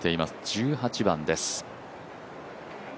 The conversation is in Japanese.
１８番です。